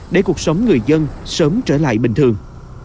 để cuộc sống người dân sớm trở lại bình thường